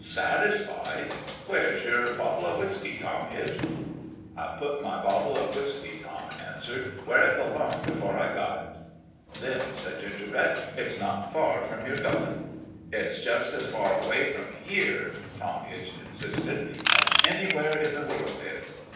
" Satis fied ? Where's your bottle o' whiskey, Tom Hitch ?' In LOVE WITH A FLOWER 79 "I've put my bottle o' whiskey," Tom an swered, " where it belonged before I got it." 11 Then," said Gingerbread, " it's not far from your gullet." " It's jus 1 as far away from here," Tom Hitch insisted, " as anywhere in the world is."